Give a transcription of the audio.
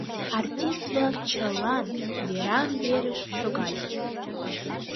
Артист-влак чылан веран верыш шогальыч.